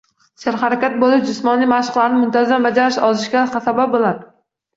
Serharakat bo‘lish, jismoniy mashqlarni muntazam bajarish ozishga sabab bo'ladi.